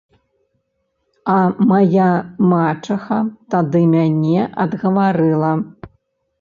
А мая мачаха тады мяне адгаварыла.